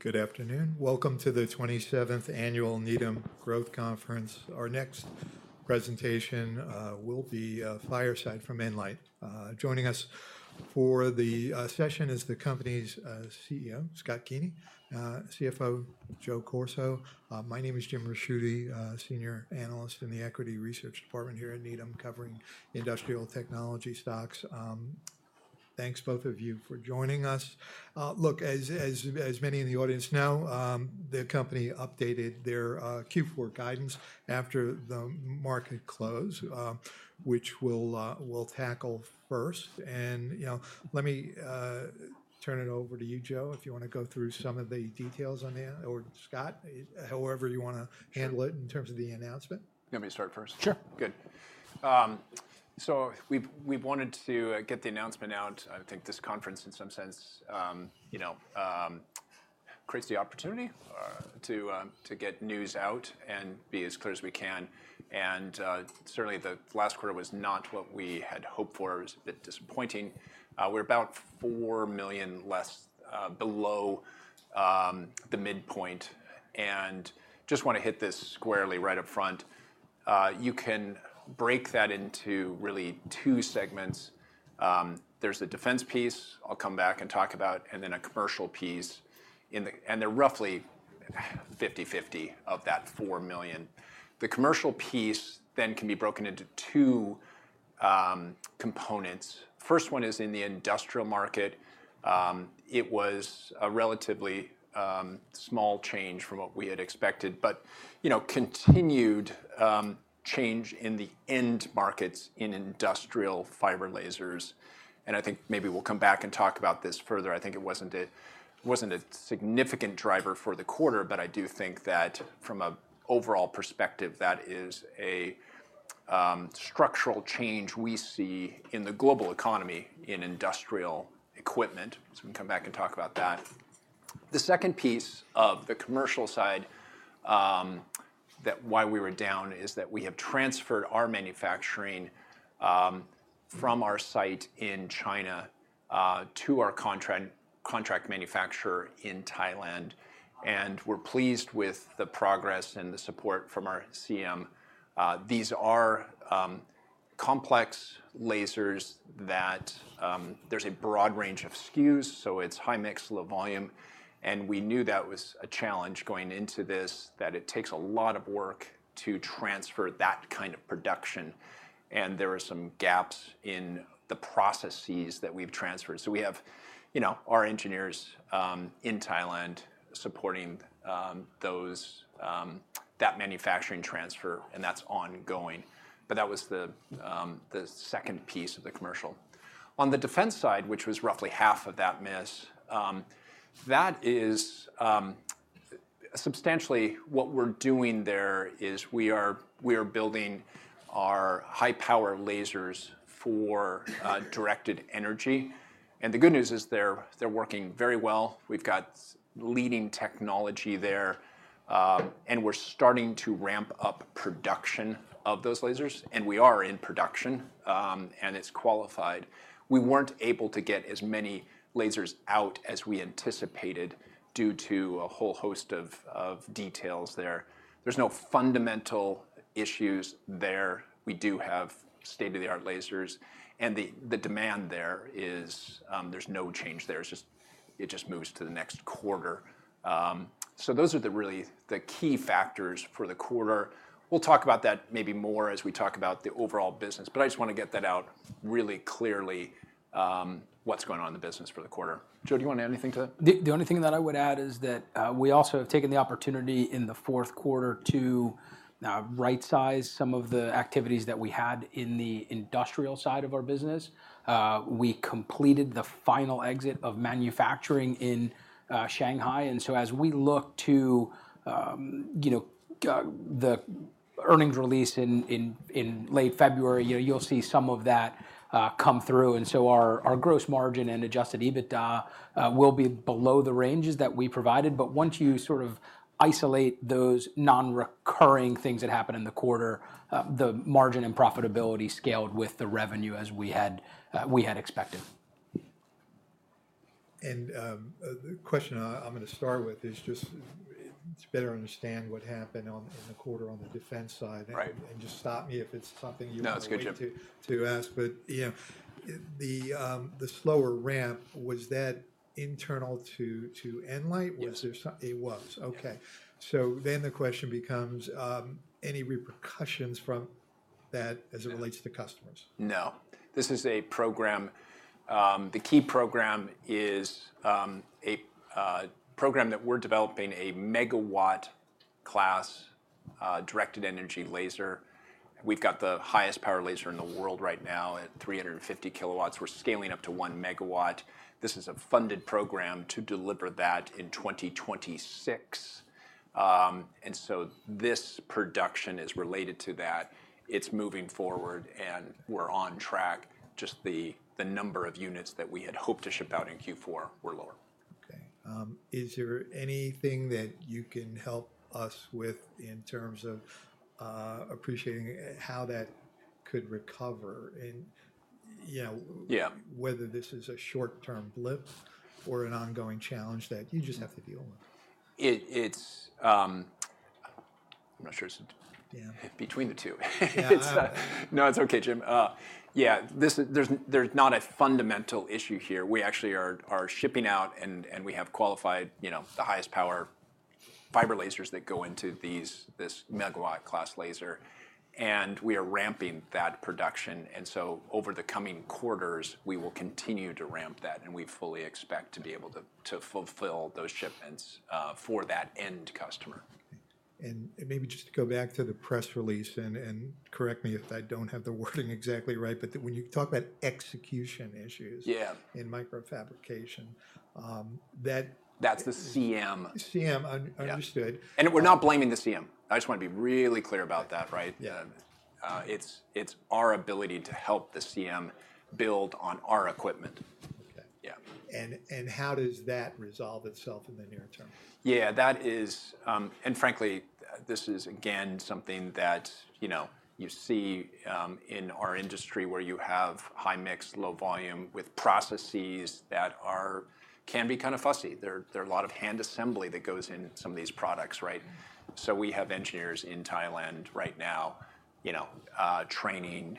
Good afternoon. Welcome to the 27th Annual Needham Growth Conference. Our next presentation will be fireside from nLIGHT. Joining us for the session is the company's CEO, Scott Keeney, CFO, Joe Corso. My name is Jim Ricchiuti, Senior Analyst in the Equity Research Department here at Needham, covering industrial technology stocks. Thanks, both of you, for joining us. Look, as many in the audience know, the company updated their Q4 guidance after the market close, which we'll tackle first, and let me turn it over to you, Joe, if you want to go through some of the details on that, or Scott, however you want to handle it in terms of the announcement. Let me start first. Sure. Good. So we've wanted to get the announcement out. I think this conference, in some sense, creates the opportunity to get news out and be as clear as we can. And certainly, the last quarter was not what we had hoped for. It was a bit disappointing. We're about $4 million less, below the midpoint. And just want to hit this squarely right up front. You can break that into really two segments. There's the defense piece, I'll come back and talk about, and then a commercial piece. And they're roughly 50/50 of that $4 million. The commercial piece then can be broken into two components. The first one is in the industrial market. It was a relatively small change from what we had expected, but continued change in the end markets in industrial fiber lasers. And I think maybe we'll come back and talk about this further. I think it wasn't a significant driver for the quarter, but I do think that from an overall perspective, that is a structural change we see in the global economy in industrial equipment. So we can come back and talk about that. The second piece of the commercial side, why we were down, is that we have transferred our manufacturing from our site in China to our contract manufacturer in Thailand. And we're pleased with the progress and the support from our CM. These are complex lasers that there's a broad range of SKUs, so it's high mix, low volume. And we knew that was a challenge going into this, that it takes a lot of work to transfer that kind of production. And there are some gaps in the processes that we've transferred. So we have our engineers in Thailand supporting that manufacturing transfer, and that's ongoing. That was the second piece of the commercial. On the defense side, which was roughly half of that miss, that is substantially what we're doing there is we are building our high-power lasers for directed energy. And the good news is they're working very well. We've got leading technology there. And we're starting to ramp up production of those lasers, and we are in production, and it's qualified. We weren't able to get as many lasers out as we anticipated due to a whole host of details there. There's no fundamental issues there. We do have state-of-the-art lasers. And the demand there is there's no change there. It just moves to the next quarter. So those are really the key factors for the quarter. We'll talk about that maybe more as we talk about the overall business. But I just want to get that out really clearly. What's going on in the business for the quarter? Joe, do you want to add anything to that? The only thing that I would add is that we also have taken the opportunity in the fourth quarter to right-size some of the activities that we had in the industrial side of our business. We completed the final exit of manufacturing in Shanghai. And so as we look to the earnings release in late February, you'll see some of that come through. And so our gross margin and Adjusted EBITDA will be below the ranges that we provided. But once you sort of isolate those non-recurring things that happen in the quarter, the margin and profitability scaled with the revenue as we had expected. The question I'm going to start with is just to better understand what happened in the quarter on the defense side. Just stop me if it's something you want me to ask. No, that's good. But the slower ramp, was that internal to nLIGHT? Yes. It was. OK. So then the question becomes, any repercussions from that as it relates to customers? No. This is a program. The key program is a program that we're developing, a megawatt-class directed energy laser. We've got the highest power laser in the world right now at 350 kilowatts. We're scaling up to one megawatt. This is a funded program to deliver that in 2026. And so this production is related to that. It's moving forward, and we're on track. Just the number of units that we had hoped to ship out in Q4 were lower. OK. Is there anything that you can help us with in terms of appreciating how that could recover, and whether this is a short-term blip or an ongoing challenge that you just have to deal with? I'm not sure. It's between the two. No, it's OK, Jim. Yeah, there's not a fundamental issue here. We actually are shipping out, and we have qualified the highest power fiber lasers that go into this megawatt-class laser. And we are ramping that production. And so over the coming quarters, we will continue to ramp that. And we fully expect to be able to fulfill those shipments for that end customer. And maybe just to go back to the press release, and correct me if I don't have the wording exactly right, but when you talk about execution issues in microfabrication, that. That's the CM. CM. Understood. And we're not blaming the CM. I just want to be really clear about that, right? It's our ability to help the CM build on our equipment. OK. How does that resolve itself in the near term? Yeah, that is, and frankly, this is, again, something that you see in our industry where you have high mix, low volume, with processes that can be kind of fussy. There are a lot of hand assembly that goes in some of these products, right? So we have engineers in Thailand right now training,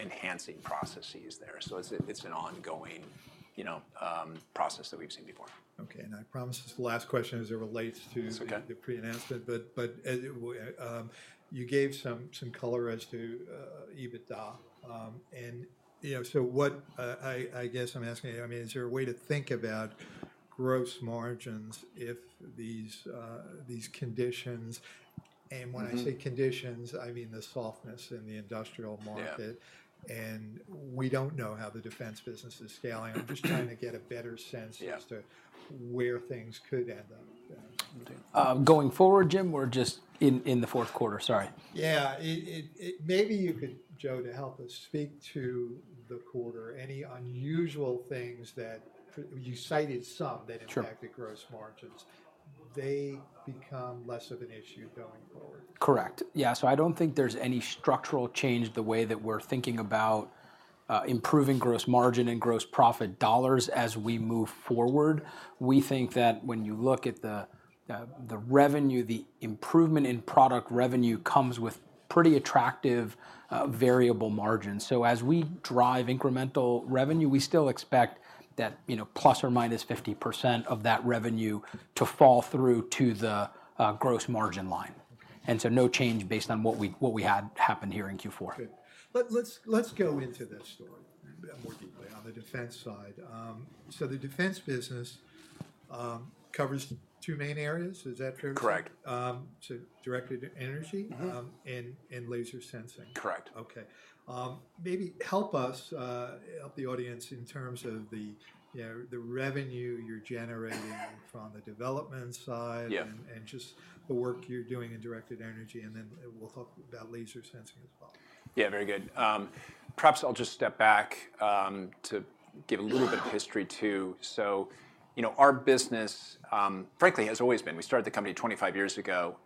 enhancing processes there. So it's an ongoing process that we've seen before. OK. And I promise this last question as it relates to the pre-announcement, but you gave some color as to EBITDA. And so what I guess I'm asking, I mean, is there a way to think about gross margins if these conditions, and when I say conditions, I mean the softness in the industrial market. And we don't know how the defense business is scaling. I'm just trying to get a better sense as to where things could end up. Going forward, Jim, or just in the fourth quarter? Sorry. Yeah. Maybe you could, Joe, to help us speak to the quarter, any unusual things that you cited, some that impacted gross margins. They become less of an issue going forward? Correct. Yeah, so I don't think there's any structural change the way that we're thinking about improving gross margin and gross profit dollars as we move forward. We think that when you look at the revenue, the improvement in product revenue comes with pretty attractive variable margins. So as we drive incremental revenue, we still expect that plus or minus 50% of that revenue to fall through to the gross margin line. And so no change based on what we had happen here in Q4. Let's go into that story more deeply on the defense side. So the defense business covers two main areas. Is that fair? Correct. Directed Energy and laser sensing. Correct. OK. Maybe help us, help the audience in terms of the revenue you're generating from the development side and just the work you're doing in directed energy. And then we'll talk about laser sensing as well. Yeah, very good. Perhaps I'll just step back to give a little bit of history too. So our business, frankly, has always been. We started the company 25 years ago.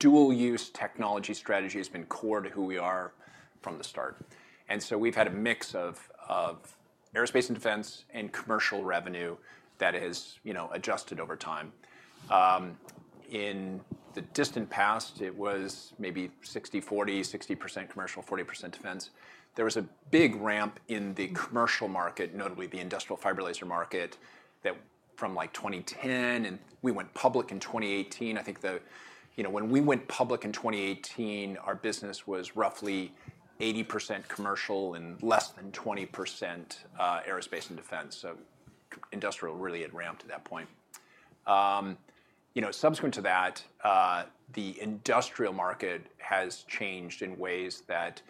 Dual-use technology strategy has been core to who we are from the start. We've had a mix of aerospace and defense and commercial revenue that has adjusted over time. In the distant past, it was maybe 60/40, 60% commercial, 40% defense. There was a big ramp in the commercial market, notably the industrial fiber laser market, that from like 2010. We went public in 2018. I think when we went public in 2018, our business was roughly 80% commercial and less than 20% aerospace and defense. Industrial really had ramped at that point. Subsequent to that, the industrial market has changed in ways that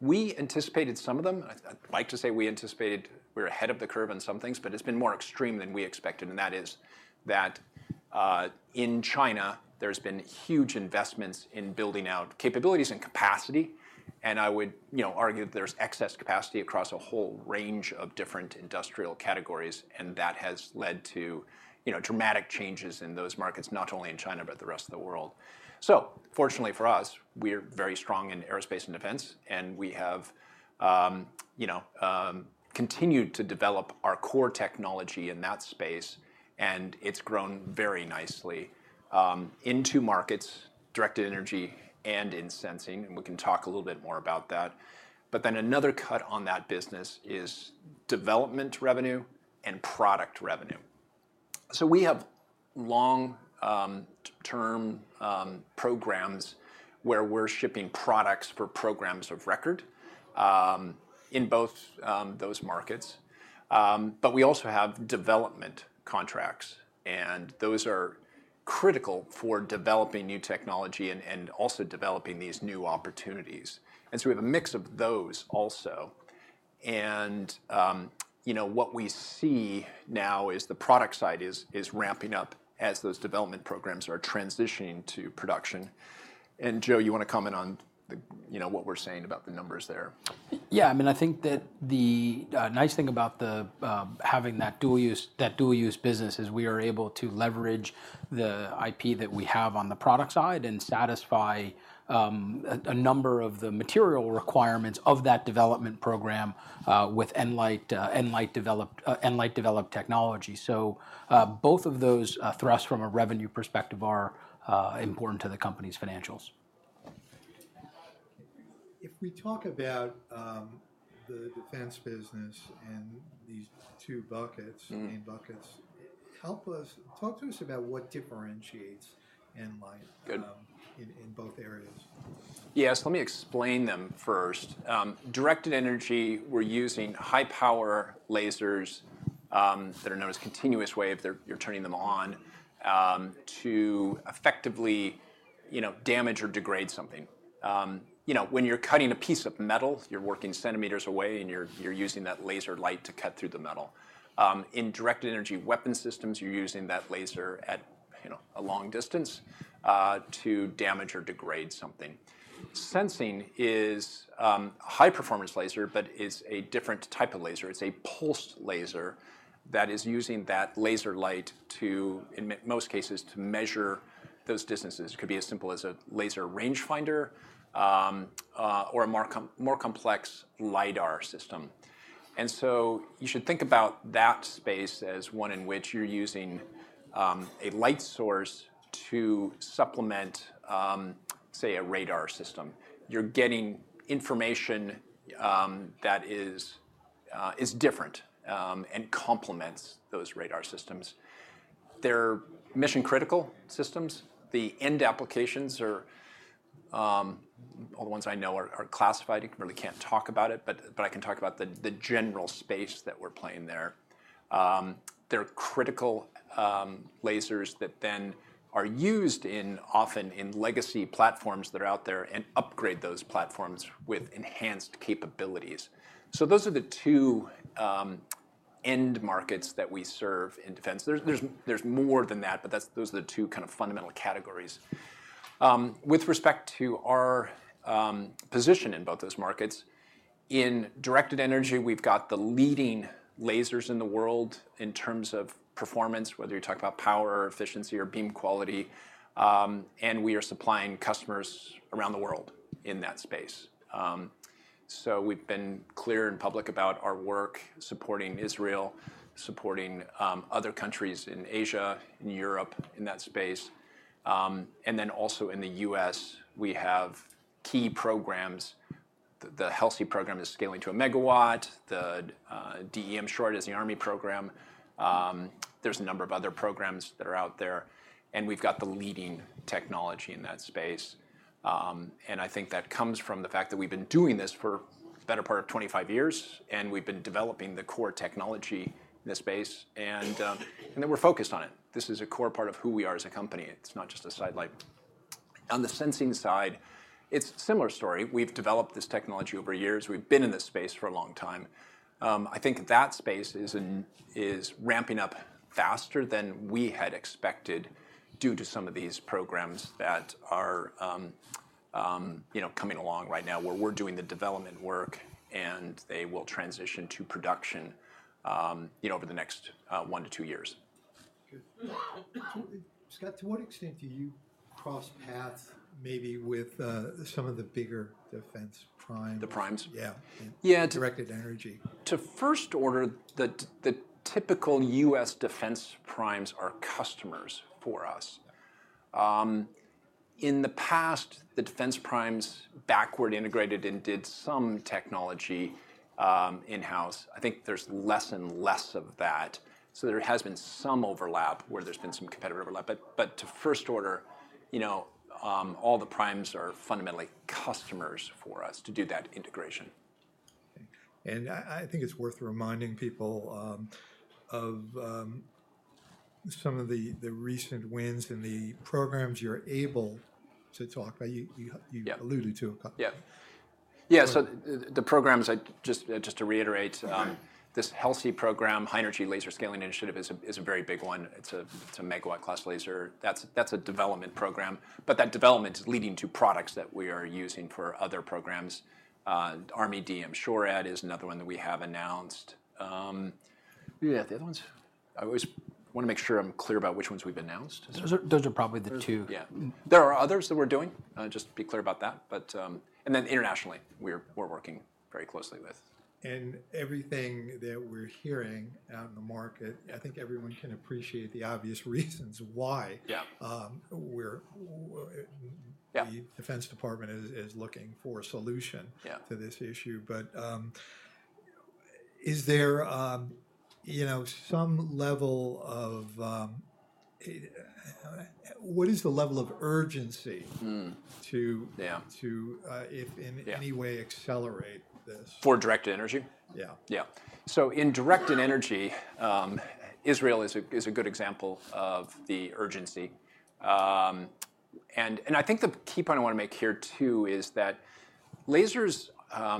we anticipated some of them. I'd like to say we anticipated we were ahead of the curve on some things, but it's been more extreme than we expected, and that is that in China, there's been huge investments in building out capabilities and capacity, and I would argue that there's excess capacity across a whole range of different industrial categories, and that has led to dramatic changes in those markets, not only in China, but the rest of the world, so fortunately for us, we're very strong in aerospace and defense, and we have continued to develop our core technology in that space, and it's grown very nicely into markets, directed energy, and in sensing, and we can talk a little bit more about that, but then another cut on that business is development revenue and product revenue, so we have long-term programs where we're shipping products for programs of record in both those markets. But we also have development contracts. And those are critical for developing new technology and also developing these new opportunities. And so we have a mix of those also. And what we see now is the product side is ramping up as those development programs are transitioning to production. And Joe, you want to comment on what we're saying about the numbers there? Yeah, I mean, I think that the nice thing about having that dual-use business is we are able to leverage the IP that we have on the product side and satisfy a number of the material requirements of that development program with nLIGHT developed technology. So both of those thrusts from a revenue perspective are important to the company's financials. If we talk about the defense business and these two buckets, main buckets, talk to us about what differentiates nLIGHT in both areas? Yes, let me explain them first. Directed energy, we're using high-power lasers that are known as continuous wave. You're turning them on to effectively damage or degrade something. When you're cutting a piece of metal, you're working centimeters away, and you're using that laser light to cut through the metal. In directed energy weapon systems, you're using that laser at a long distance to damage or degrade something. Sensing is a high-performance laser, but it's a different type of laser. It's a pulsed laser that is using that laser light, in most cases, to measure those distances. It could be as simple as a laser rangefinder or a more complex LiDAR system. And so you should think about that space as one in which you're using a light source to supplement, say, a radar system. You're getting information that is different and complements those radar systems. They're mission-critical systems. The end applications are all the ones I know are classified. You really can't talk about it, but I can talk about the general space that we're playing there. They're critical lasers that then are used often in legacy platforms that are out there and upgrade those platforms with enhanced capabilities. So those are the two end markets that we serve in defense. There's more than that, but those are the two kind of fundamental categories. With respect to our position in both those markets, in directed energy, we've got the leading lasers in the world in terms of performance, whether you're talking about power or efficiency or beam quality. And we are supplying customers around the world in that space. So we've been clear and public about our work supporting Israel, supporting other countries in Asia, in Europe in that space. Then also in the U.S., we have key programs. The HELSI program is scaling to a megawatt. The DE M-SHORAD is the Army program. There's a number of other programs that are out there. And we've got the leading technology in that space. And I think that comes from the fact that we've been doing this for the better part of 25 years. And we've been developing the core technology in this space. And then we're focused on it. This is a core part of who we are as a company. It's not just a sidelight. On the sensing side, it's a similar story. We've developed this technology over years. We've been in this space for a long time. I think that space is ramping up faster than we had expected due to some of these programs that are coming along right now where we're doing the development work. They will transition to production over the next one-to-two years. Scott, to what extent do you cross paths maybe with some of the bigger defense primes? The primes? Yeah. Yeah. Directed energy. To first order, the typical U.S. defense primes are customers for us. In the past, the defense primes backward integrated and did some technology in-house. I think there's less and less of that. So there has been some overlap where there's been some competitor overlap. But to first order, all the primes are fundamentally customers for us to do that integration. I think it's worth reminding people of some of the recent wins in the programs you're able to talk about. You alluded to a couple. Yeah. Yeah, so the programs, just to reiterate, this HELSI program, High Energy Laser Scaling Initiative, is a very big one. It's a megawatt-class laser. That's a development program. But that development is leading to products that we are using for other programs. Army DE M-SHORAD is another one that we have announced. Yeah, the other ones, I always want to make sure I'm clear about which ones we've announced. Those are probably the two. Yeah. There are others that we're doing. Just be clear about that. And then internationally, we're working very closely with. And everything that we're hearing out in the market, I think everyone can appreciate the obvious reasons why the Defense Department is looking for a solution to this issue. But is there some level of what is the level of urgency to, if in any way, accelerate this? For Directed Energy? Yeah. Yeah. So in directed energy, Israel is a good example of the urgency. And I think the key point I want to make here, too, is that lasers, I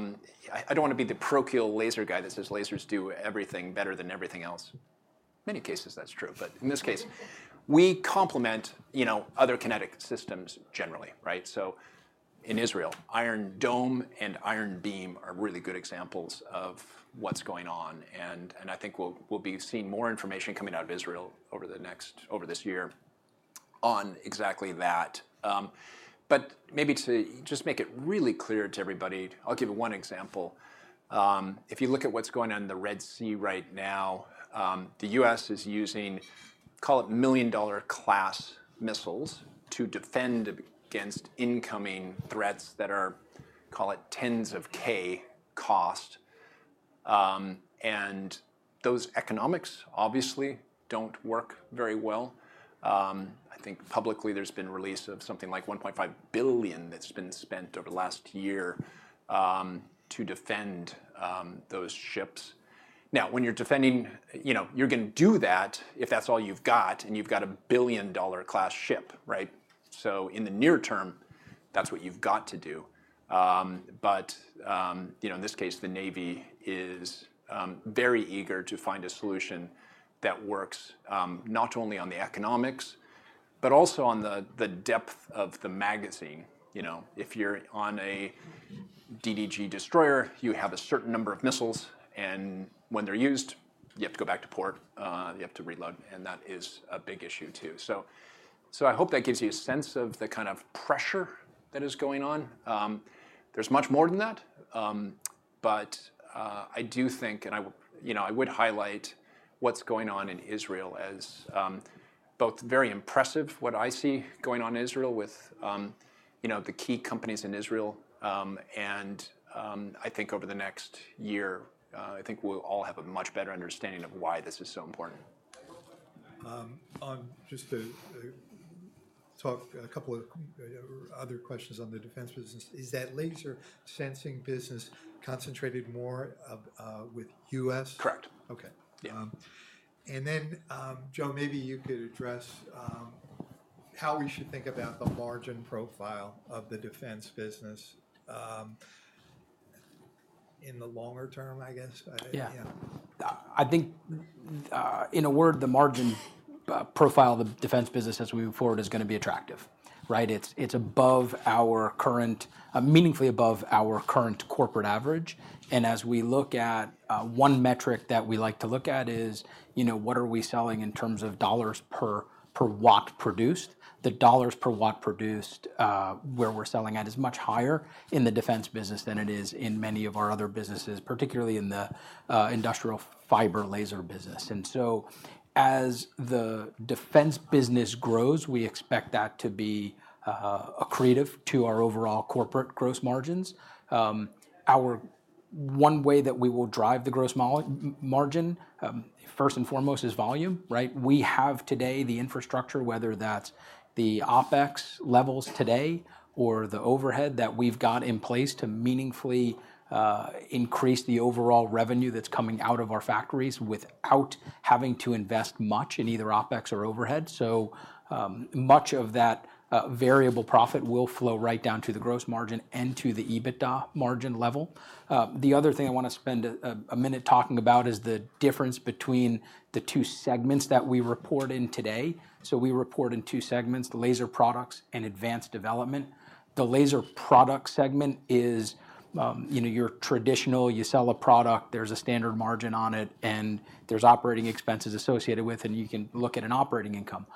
don't want to be the parochial laser guy that says lasers do everything better than everything else. In many cases, that's true. But in this case, we complement other kinetic systems generally, right? So in Israel, Iron Dome and Iron Beam are really good examples of what's going on. And I think we'll be seeing more information coming out of Israel over this year on exactly that. But maybe to just make it really clear to everybody, I'll give you one example. If you look at what's going on in the Red Sea right now, the U.S. is using, call it, million-dollar-class missiles to defend against incoming threats that are, call it, tens of K cost. Those economics obviously don't work very well. I think publicly there's been a release of something like $1.5 billion that's been spent over the last year to defend those ships. Now, when you're defending, you're going to do that if that's all you've got. You've got a billion-dollar-class ship, right? In the near term, that's what you've got to do. In this case, the Navy is very eager to find a solution that works not only on the economics, but also on the depth of the magazine. If you're on a DDG destroyer, you have a certain number of missiles. When they're used, you have to go back to port. You have to reload. That is a big issue, too. I hope that gives you a sense of the kind of pressure that is going on. There's much more than that. But I do think, and I would highlight what's going on in Israel as both very impressive, what I see going on in Israel with the key companies in Israel. And I think over the next year, I think we'll all have a much better understanding of why this is so important. Just to talk a couple of other questions on the defense business, is that laser sensing business concentrated more with U.S.? Correct. OK, and then, Joe, maybe you could address how we should think about the margin profile of the defense business in the longer term, I guess. Yeah. I think in a word, the margin profile of the defense business as we move forward is going to be attractive, right? It's above our current, meaningfully above our current corporate average. And as we look at one metric that we like to look at is what are we selling in terms of dollars per watt produced. The dollars per watt produced where we're selling at is much higher in the defense business than it is in many of our other businesses, particularly in the industrial fiber laser business. And so as the defense business grows, we expect that to be accretive to our overall corporate gross margins. One way that we will drive the gross margin, first and foremost, is volume, right? We have today the infrastructure, whether that's the OpEx levels today or the overhead that we've got in place to meaningfully increase the overall revenue that's coming out of our factories without having to invest much in either OpEx or overhead. So much of that variable profit will flow right down to the gross margin and to the EBITDA margin level. The other thing I want to spend a minute talking about is the difference between the two segments that we report in today. So we report in two segments, the laser products and advanced development. The laser product segment is your traditional, you sell a product, there's a standard margin on it, and there's operating expenses associated with it. And you can look at an operating income.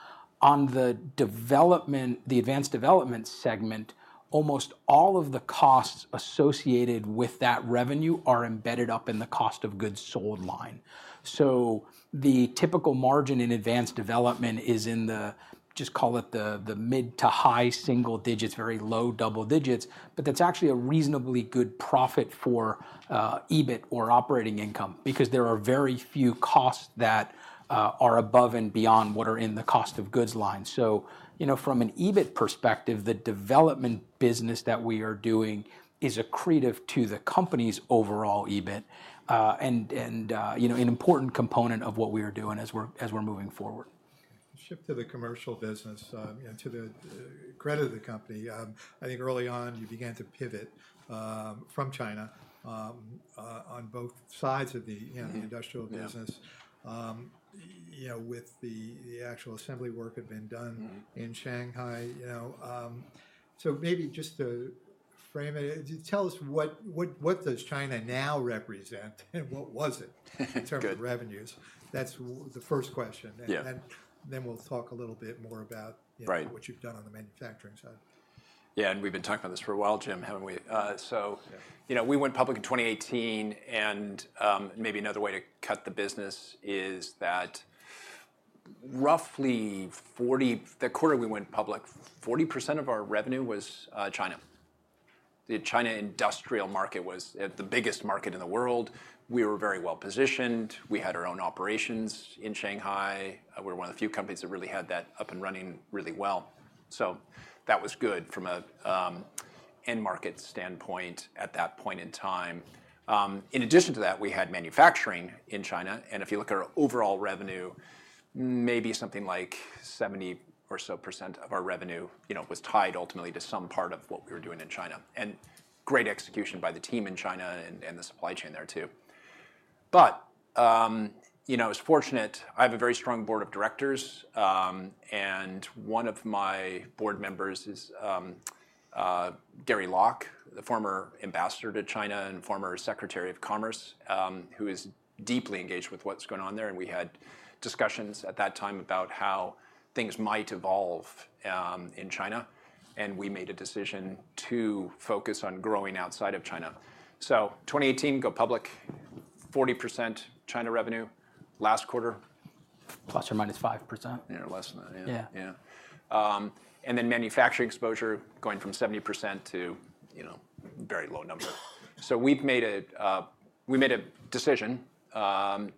On the development, the advanced development segment, almost all of the costs associated with that revenue are embedded up in the cost of goods sold line. So the typical margin in advanced development is in the, just call it the mid to high single digits, very low double digits. But that's actually a reasonably good profit for EBIT or operating income because there are very few costs that are above and beyond what are in the cost of goods line. So from an EBIT perspective, the development business that we are doing is accretive to the company's overall EBIT and an important component of what we are doing as we're moving forward. Shift to the commercial business, to the credit of the company. I think early on, you began to pivot from China on both sides of the industrial business with the actual assembly work had been done in Shanghai. So maybe just to frame it, tell us what does China now represent and what was it in terms of revenues? That's the first question. And then we'll talk a little bit more about what you've done on the manufacturing side. Yeah, and we've been talking about this for a while, Jim, haven't we? So we went public in 2018. And maybe another way to cut the business is that roughly 40%, the quarter we went public, 40% of our revenue was China. The China industrial market was the biggest market in the world. We were very well positioned. We had our own operations in Shanghai. We were one of the few companies that really had that up and running really well. So that was good from an end market standpoint at that point in time. In addition to that, we had manufacturing in China. And if you look at our overall revenue, maybe something like 70% or so of our revenue was tied ultimately to some part of what we were doing in China. And great execution by the team in China and the supply chain there, too. But I was fortunate. I have a very strong board of directors. And one of my board members is Gary Locke, the former Ambassador to China and former Secretary of Commerce, who is deeply engaged with what's going on there. And we had discussions at that time about how things might evolve in China. And we made a decision to focus on growing outside of China. So 2018, go public, 40% China revenue last quarter. Plus or minus 5%. Yeah, less than that. Yeah, and then manufacturing exposure going from 70% to a very low number, so we made a decision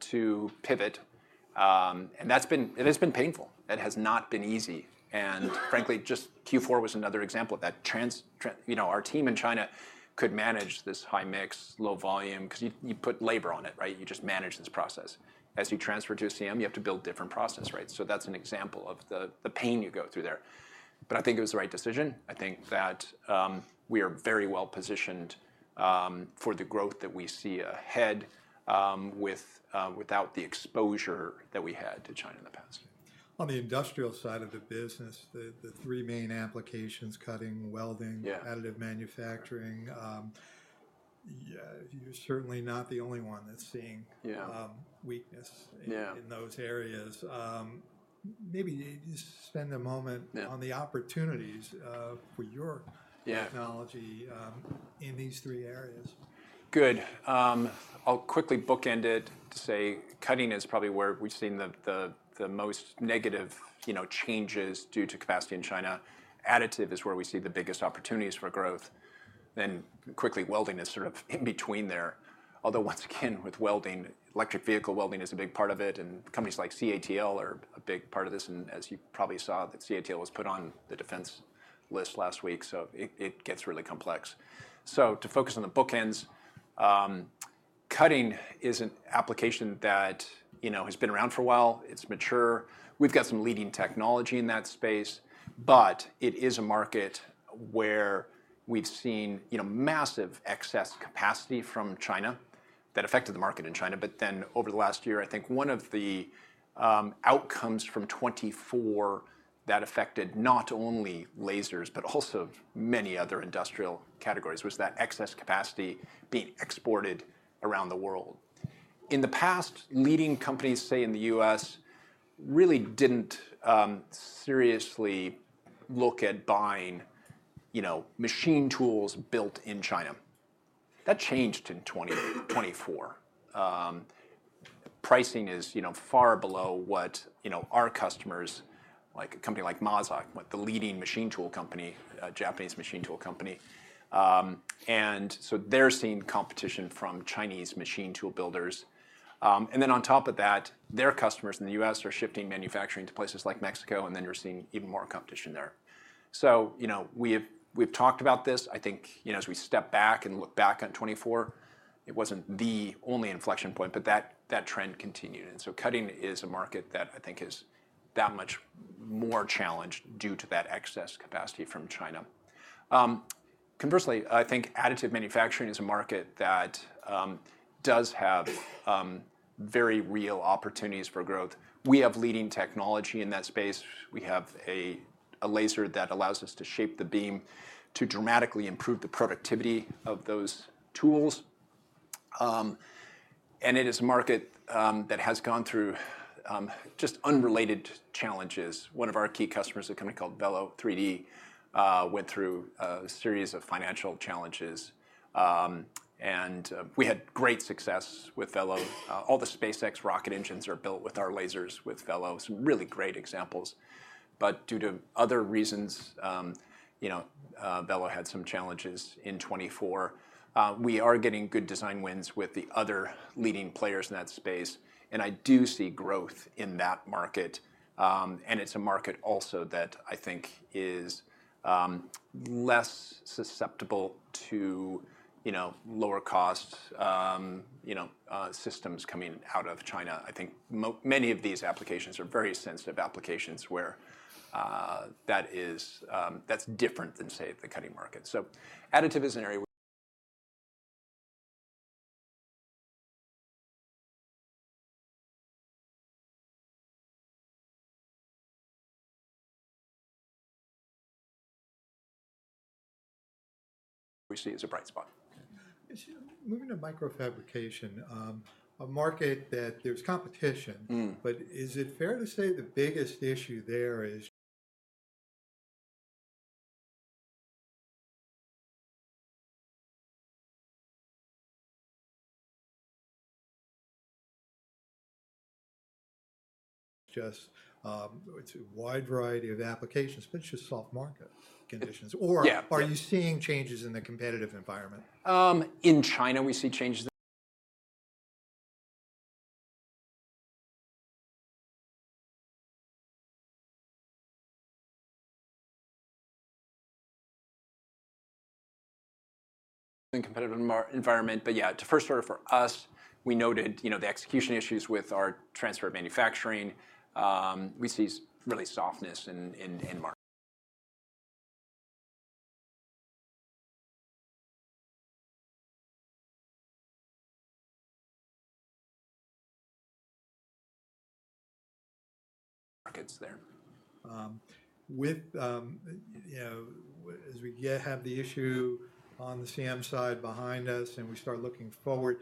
to pivot, and that's been painful. That has not been easy, and frankly, just Q4 was another example of that. Our team in China could manage this high mix, low volume, because you put labor on it, right? You just manage this process. As you transfer to a CM, you have to build a different process, right? So that's an example of the pain you go through there, but I think it was the right decision. I think that we are very well positioned for the growth that we see ahead without the exposure that we had to China in the past. On the industrial side of the business, the three main applications—cutting, welding, additive manufacturing—you're certainly not the only one that's seeing weakness in those areas. Maybe spend a moment on the opportunities for your technology in these three areas. Good. I'll quickly bookend it to say cutting is probably where we've seen the most negative changes due to capacity in China. Additive is where we see the biggest opportunities for growth. Then quickly welding is sort of in between there. Although once again, with welding, electric vehicle welding is a big part of it. And companies like CATL are a big part of this. And as you probably saw, that CATL was put on the defense list last week. So it gets really complex. So to focus on the bookends, cutting is an application that has been around for a while. It's mature. We've got some leading technology in that space. But it is a market where we've seen massive excess capacity from China that affected the market in China. But then over the last year, I think one of the outcomes from 2024 that affected not only lasers, but also many other industrial categories was that excess capacity being exported around the world. In the past, leading companies, say in the U.S., really didn't seriously look at buying machine tools built in China. That changed in 2024. Pricing is far below what our customers, like a company like Mazak, the leading machine tool company, Japanese machine tool company. And so they're seeing competition from Chinese machine tool builders. And then on top of that, their customers in the U.S. are shifting manufacturing to places like Mexico. And then you're seeing even more competition there. So we've talked about this. I think as we step back and look back on 2024, it wasn't the only inflection point. But that trend continued. And so cutting is a market that I think is that much more challenged due to that excess capacity from China. Conversely, I think additive manufacturing is a market that does have very real opportunities for growth. We have leading technology in that space. We have a laser that allows us to shape the beam to dramatically improve the productivity of those tools. And it is a market that has gone through just unrelated challenges. One of our key customers, a company called Velo3D, went through a series of financial challenges. And we had great success with Velo3D. All the SpaceX rocket engines are built with our lasers with Velo3D. Some really great examples. But due to other reasons, Velo3D had some challenges in 2024. We are getting good design wins with the other leading players in that space. And I do see growth in that market. It's a market also that I think is less susceptible to lower cost systems coming out of China. I think many of these applications are very sensitive applications where that's different than, say, the cutting market. Additive is an area. We see it's a bright spot. Moving to microfabrication, a market where there's competition. But is it fair to say the biggest issue there is just a wide variety of applications, but it's just soft market conditions? Or are you seeing changes in the competitive environment? In China, we see changes in the competitive environment. But yeah, to first order for us, we noted the execution issues with our transfer manufacturing. We see real softness in markets there. As we have the issue on the CM side behind us and we start looking forward,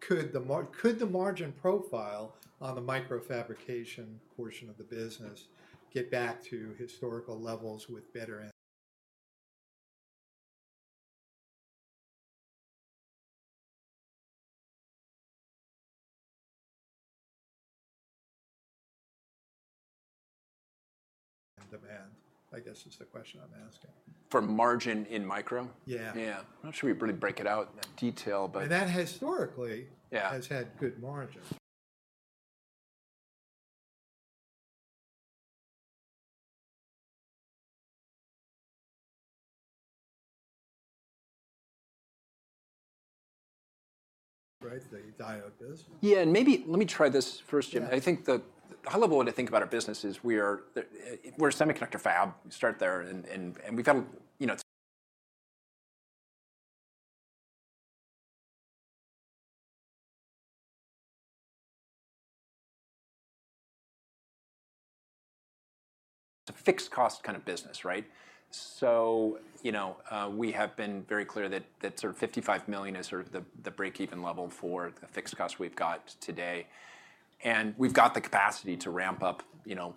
could the margin profile on the microfabrication portion of the business get back to historical levels with better demand? I guess is the question I'm asking. For margin in micro? Yeah. Yeah. I'm not sure we really break it out in that detail, but. That historically has had good margins. Right? The IO business? Yeah. And maybe let me try this first, Jim. I think the high level way to think about our business is we're a semiconductor fab. We start there. And we've got a fixed cost kind of business, right? So we have been very clear that sort of $55 million is sort of the break-even level for the fixed cost we've got today. And we've got the capacity to ramp up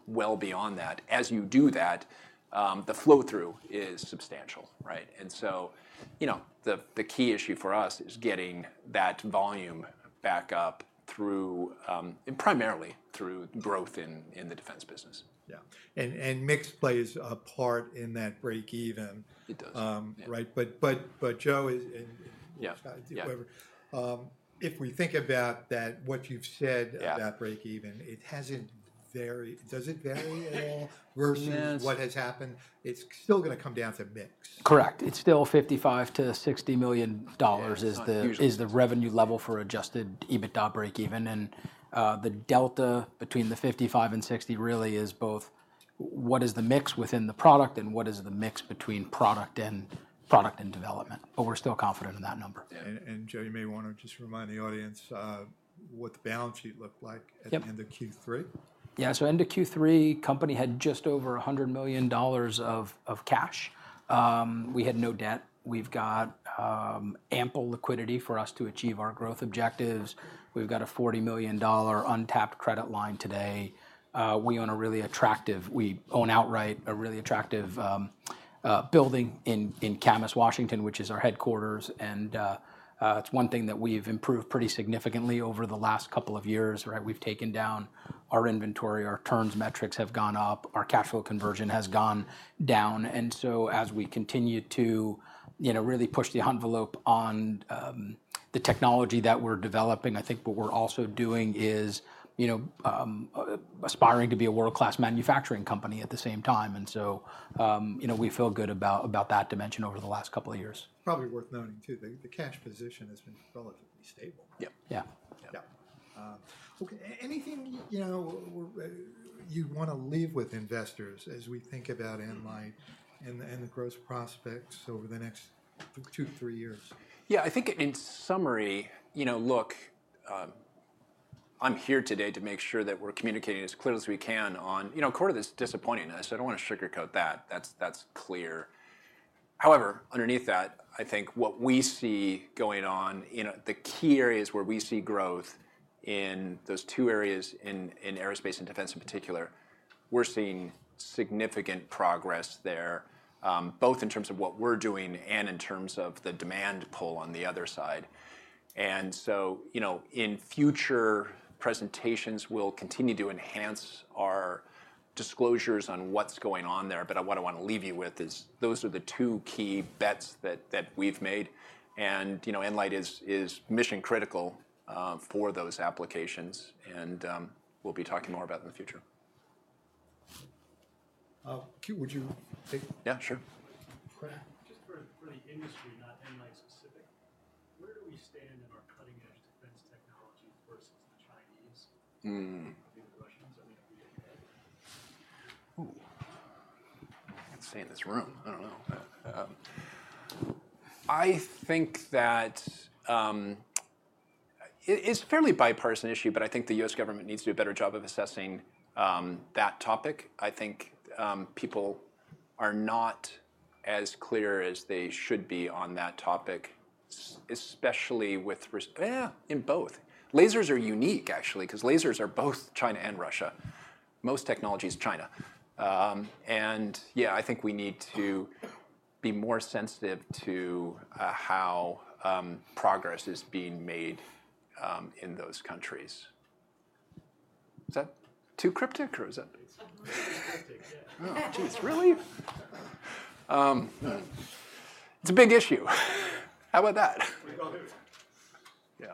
well beyond that. As you do that, the flow-through is substantial, right? And so the key issue for us is getting that volume back up primarily through growth in the defense business. Yeah, and mix plays a part in that break-even. It does. Right? But Joe is in. Yeah. If we think about that, what you've said about break-even, it doesn't vary at all versus what has happened. It's still going to come down to mix. Correct. It's still $55-$60 million is the revenue level for adjusted EBITDA break-even. And the delta between the $55 and $60 really is both what is the mix within the product and what is the mix between product and development. But we're still confident in that number. Joe, you may want to just remind the audience what the balance sheet looked like at the end of Q3. Yeah. So end of Q3, the company had just over $100 million of cash. We had no debt. We've got ample liquidity for us to achieve our growth objectives. We've got a $40 million untapped credit line today. We own outright a really attractive building in Camas, Washington, which is our headquarters. And it's one thing that we've improved pretty significantly over the last couple of years, right? We've taken down our inventory. Our turns metrics have gone up. Our cash flow conversion has gone down. And so as we continue to really push the envelope on the technology that we're developing, I think what we're also doing is aspiring to be a world-class manufacturing company at the same time, and so we feel good about that dimension over the last couple of years. Probably worth noting, too, the cash position has been relatively stable. Yeah. Yeah. Anything you'd want to leave with investors as we think about nLIGHT and the growth prospects over the next two to three years? Yeah. I think in summary, look, I'm here today to make sure that we're communicating as clearly as we can on quarter is disappointing us. I don't want to sugarcoat that. That's clear. However, underneath that, I think what we see going on in the key areas where we see growth in those two areas in aerospace and defense in particular, we're seeing significant progress there, both in terms of what we're doing and in terms of the demand pull on the other side. And so in future presentations, we'll continue to enhance our disclosures on what's going on there. But what I want to leave you with is those are the two key bets that we've made. And nLIGHT is mission-critical for those applications. And we'll be talking more about it in the future. Would you take? Yeah, sure. Just for the industry, not nLIGHT specifically, where do we stand in our cutting-edge defense technology versus the Chinese? I mean, the Russians? I mean, are we OK? Ooh. I can't say in this room. I don't know. I think that it's a fairly bipartisan issue, but I think the U.S. government needs to do a better job of assessing that topic. I think people are not as clear as they should be on that topic, especially with respect in both. Lasers are unique, actually, because lasers are both China and Russia. Most technology is China, and yeah, I think we need to be more sensitive to how progress is being made in those countries. Is that too cryptic, or is that? It's really? It's a big issue. How about that? We'll go through it. Yeah.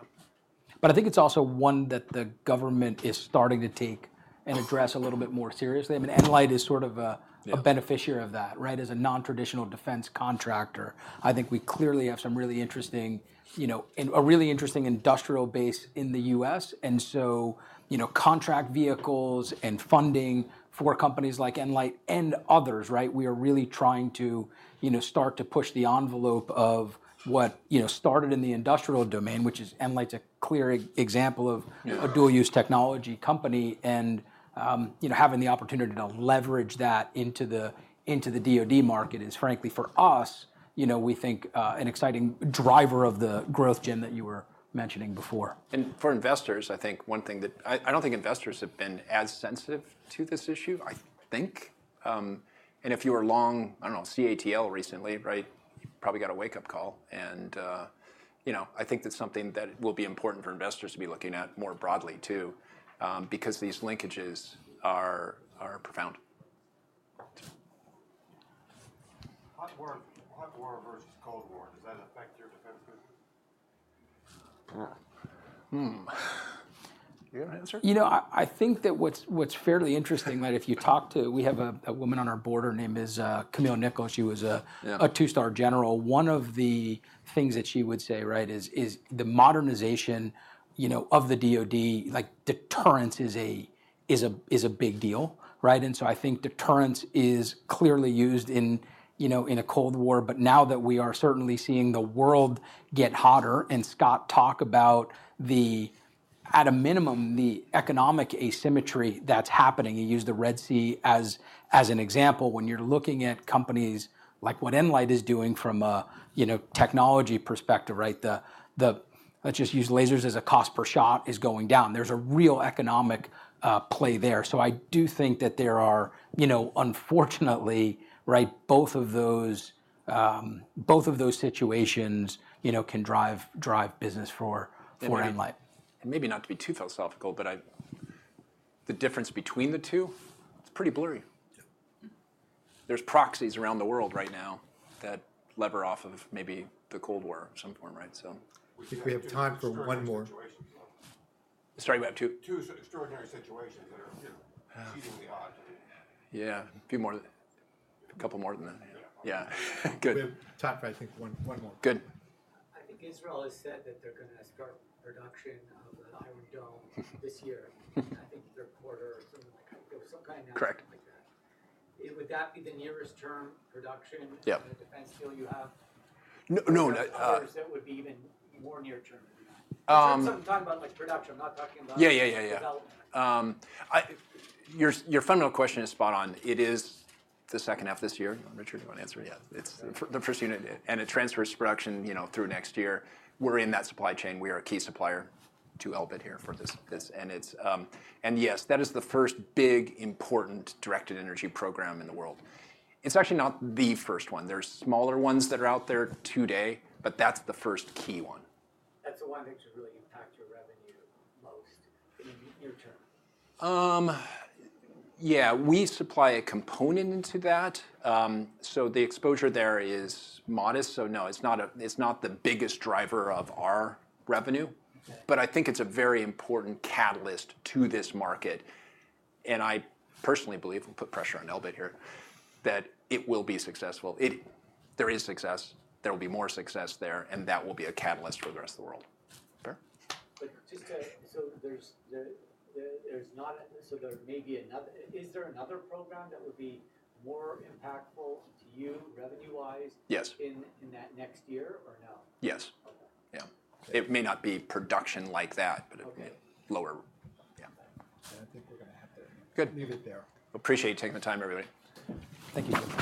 But I think it's also one that the government is starting to take and address a little bit more seriously. I mean, nLIGHT is sort of a beneficiary of that, right, as a non-traditional defense contractor. I think we clearly have some really interesting and a really interesting industrial base in the U.S. And so contract vehicles and funding for companies like nLIGHT and others, right, we are really trying to start to push the envelope of what started in the industrial domain, which is nLIGHT's a clear example of a dual-use technology company. And having the opportunity to leverage that into the DOD market is, frankly, for us, we think an exciting driver of the growth, Jim, that you were mentioning before. And for investors, I think one thing that I don't think investors have been as sensitive to this issue, I think. If you were long, I don't know, CATL recently, right, you probably got a wake-up call. I think that's something that will be important for investors to be looking at more broadly, too, because these linkages are profound. Hot war versus cold war, does that affect your defense business? You don't answer? You know. I think that what's fairly interesting that if you talk to we have a woman on our board. Her name is Camille Nichols. She was a two-star general. One of the things that she would say, right, is the modernization of the DOD, like deterrence is a big deal, right? And so I think deterrence is clearly used in a Cold War. But now that we are certainly seeing the world get hotter and Scott talk about, at a minimum, the economic asymmetry that's happening, you use the Red Sea as an example, when you're looking at companies like what nLIGHT is doing from a technology perspective, right, the let's just use lasers as a cost per shot is going down. There's a real economic play there. So I do think that there are, unfortunately, right, both of those situations can drive business for nLIGHT. Maybe not to be too philosophical, but the difference between the two, it's pretty blurry. There's proxies around the world right now that lever off of maybe the Cold War at some point, right? I think we have time for one more. Sorry, we have two. Two extraordinary situations that are exceedingly odd. Yeah. A few more, a couple more than that. Yeah. Good. We have time for, I think, one more. Good. I think Israel has said that they're going to start production of the Iron Dome this year. I think their quarter or something like that. Correct. Would that be the near-term production of the defense deal you have? No. Or is that would be even more near-term than that? I'm talking about production. I'm not talking about. Yeah, yeah, yeah, yeah. Your fundamental question is spot on. It is the second half of this year. Richard, do you want to answer? Yeah. It's the first unit. And it transfers production through next year. We're in that supply chain. We are a key supplier to Elbit here for this. And yes, that is the first big, important directed energy program in the world. It's actually not the first one. There's smaller ones that are out there today. But that's the first key one. That's the one that should really impact your revenue most in near-term. Yeah. We supply a component into that. So the exposure there is modest. So no, it's not the biggest driver of our revenue. But I think it's a very important catalyst to this market. And I personally believe, we'll put pressure on Elbit here, that it will be successful. There is success. There will be more success there. And that will be a catalyst for the rest of the world. Is there another program that would be more impactful to your revenue-wise in that next year, or no? Yes. Yeah. It may not be production like that, but it'd be lower. Yeah. I think we're going to have to leave it there. Good. Appreciate you taking the time, everybody. Thank you.